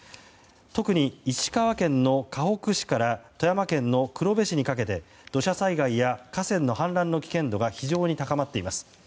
特に石川県のかほく市から富山県の黒部市にかけて土砂災害や河川の氾濫の危険度が非常に高まっています。